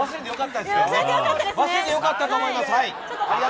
忘れてよかったと思います。